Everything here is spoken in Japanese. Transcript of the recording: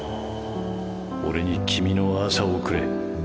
俺に君の朝をくれ。